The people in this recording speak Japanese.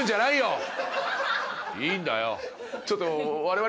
いいんだよ。